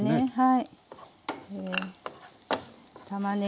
はい。